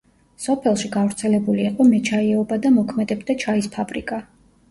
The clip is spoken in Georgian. სოფელში გავრცელებული იყო მეჩაიეობა და მოქმედებდა ჩაის ფაბრიკა.